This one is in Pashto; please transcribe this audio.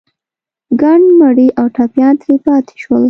ګڼ مړي او ټپيان ترې پاتې شول.